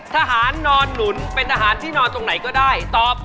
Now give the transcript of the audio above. ทหารนอนหนุนเป็นทหารที่นอนตรงไหนก็ได้ตอบ